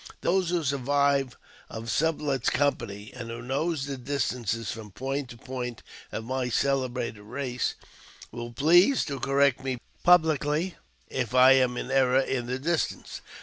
Those who survive of Sublet's company, and who know the distances from point to point of my celebrated race, will please to correct me publicly if I am in error in the distance.